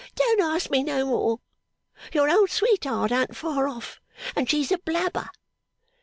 'Don't ask me no more. Your old sweetheart an't far off, and she's a blabber.